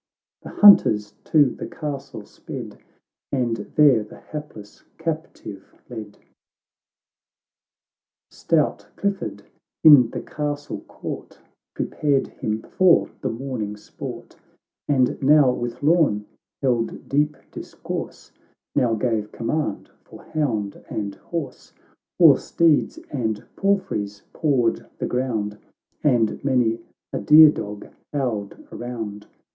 — The hunters to the castle sped, And there the hapless captive led. 630 THE LOED OF THE ISLES. [CANTO V. XXIII Stout Clifford in the castle court Prepared hirn for the morning sport ; And now with Lorn held deep discourse, Now gave command for hound and horse. War steeds and palfreys pawed the ground, And many a deer dog howled around.